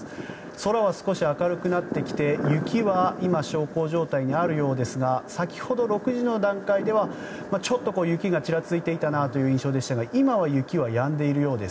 空は少し明るくなってきて雪は今小康状態にあるようですが先ほど６時の段階ではちょっと雪がちらついていた状況でしたが今は雪はやんでいるようです。